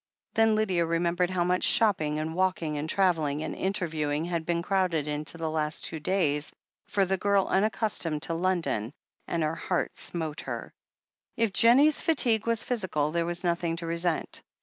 Then Lydia remembered how much shopping and walking and travelling and interviewing had been crowded into the last two days for the girl imaccus tomed to London, and her heart smote her. If Jennie's fatigue was physical, there was nothing to resent.